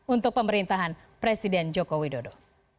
untuk pemerintahan presiden jokowi dodo